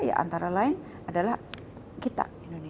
antara lain adalah kita